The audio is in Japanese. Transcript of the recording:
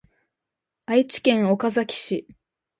愛知県岡崎市